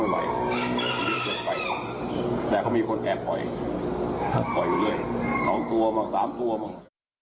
ไม่ไหวแต่ก็มีคนแก่ปล่อยปล่อยอยู่ด้วยสองตัวมากสามตัวมาก